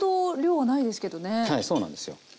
はいそうなんですよ。